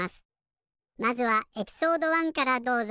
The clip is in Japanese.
まずはエピソード１からどうぞ。